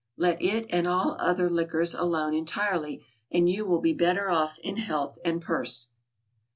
Let it, and all other liquors alone entirely, and you will be better off in health and purse.